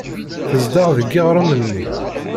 Tezdeɣ deg yiɣrem-nni.